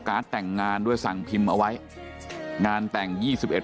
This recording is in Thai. แต่งงานด้วยสั่งพิมพ์เอาไว้งานแต่งยี่สิบเอ็ด